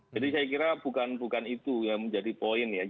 jadi saya kira bukan itu yang menjadi poin